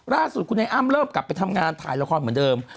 ล่าสุดคุณไอ้อ้ำเริ่มกลับไปทำงานถ่ายละครเหมือนเดิม